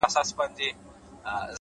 موخه لرونکی ذهن د ګډوډۍ نه وځي’